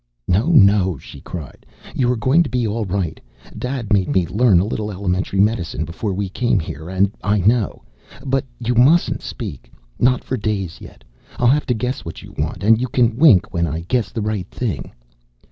"No, no!" she cried. "You are going to be all right! Dad made me learn a little elementary medicine before we came here, and I know. But you mustn't speak! Not for days yet! I'll have to guess what you want. And you can wink when I guess the right thing.